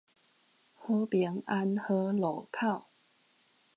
和平安和路口